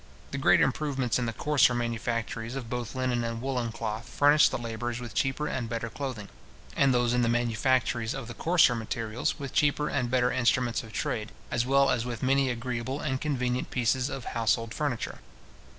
The great improvements in the coarser manufactories of both linen and woollen cloth furnish the labourers with cheaper and better clothing; and those in the manufactories of the coarser metals, with cheaper and better instruments of trade, as well as with many agreeable and convenient pieces of household furniture.